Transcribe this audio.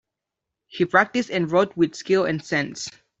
He practiced and wrote with skill and sense.